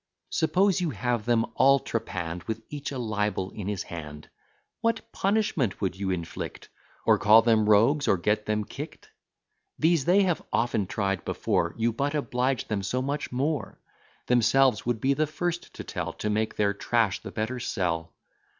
Suppose you have them all trepann'd, With each a libel in his hand, What punishment would you inflict? Or call them rogues, or get them kickt? These they have often tried before; You but oblige them so much more: Themselves would be the first to tell, To make their trash the better sell.